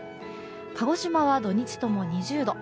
鹿児島は土日とも２０度。